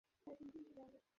কোনো কাজ হবে না, স্যার।